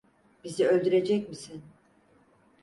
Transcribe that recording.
Bizi öldürecek misin?